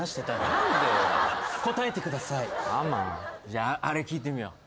じゃああれ聞いてみよう。